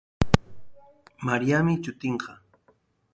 Mariami shutinqa.